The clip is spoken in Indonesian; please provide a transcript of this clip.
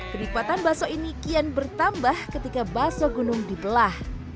kenikmatan baso ini kian bertambah ketika baso gunung dibelah